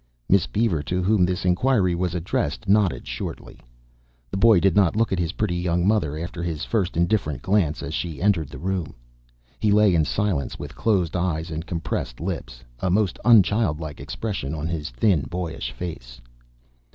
Miss Beaver, to whom this inquiry was addressed, nodded shortly. The boy did not look at his pretty young mother after his first indifferent glance as she entered the room. He lay in silence with closed eyes and compressed lips, a most unchildlike expression on his thin boyish face.